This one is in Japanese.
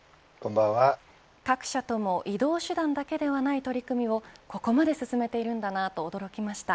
各社とも移動手段だけではない取り組みをここまで進めているんだなと驚きました。